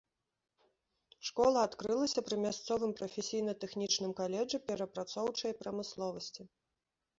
Школа адкрылася пры мясцовым прафесійна-тэхнічным каледжы перапрацоўчай прамысловасці.